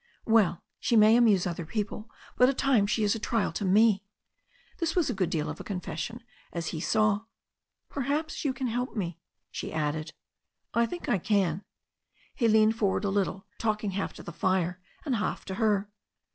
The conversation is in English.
"Well, she may amuse other people, but at times she is a trial to me." This was a good deal of a confession, as he saw. "Perhaps you can help me," she added. "I think I can." He leaned forward a little, talking half to the fire and half to her.